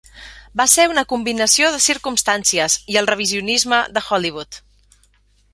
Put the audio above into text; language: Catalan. Va ser una combinació de circumstàncies i el revisionisme de Hollywood.